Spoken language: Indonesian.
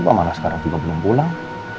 bapak malah sekarang juga belum pulang